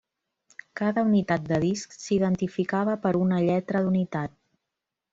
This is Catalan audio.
Cada unitat de disc s'identificava per una lletra d'unitat.